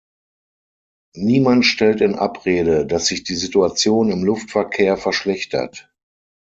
Niemand stellt in Abrede, dass sich die Situation im Luftverkehr verschlechtert.